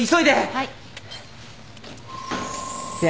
はい。